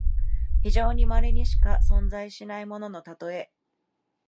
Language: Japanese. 非常にまれにしか存在しないもののたとえ。